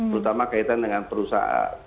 terutama kaitan dengan perusahaan